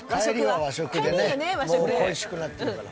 もう恋しくなってるから。